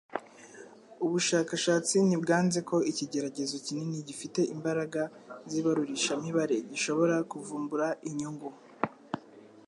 Ubushakashatsi ntibwanze ko ikigeragezo kinini gifite imbaraga z’ibarurishamibare gishobora kuvumbura inyungu